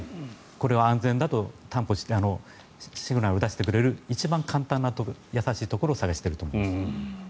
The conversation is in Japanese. これを安全だと担保シグナルを出してくれる一番簡単な易しいところを探していると思います。